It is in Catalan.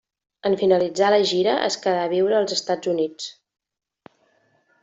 En finalitzar la gira es quedà a viure als Estats Units.